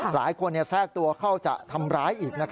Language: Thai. หลายคนแทรกตัวเข้าจะทำร้ายอีก